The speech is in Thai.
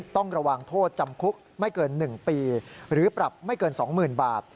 ต้องระวังโทษจำคุกไม่เกิน๑ปีหรือปรับไม่เกิน๒๐๐๐บาท